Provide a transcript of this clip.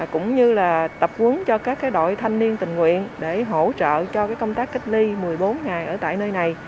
cũng như là tập quấn cho các đội thanh niên tình nguyện để hỗ trợ cho công tác cách ly một mươi bốn ngày ở tại nơi này